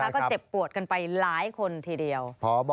ก็เจ็บปวดกันไปหลายคนทีเดียว